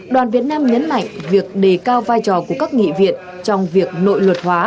đoàn việt nam nhấn mạnh việc đề cao vai trò của các nghị viện trong việc nội luật hóa